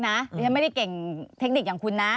หรือเสร็จไม่ได้เก่งเทคนิคอย่างคุณ